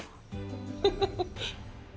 フフフ。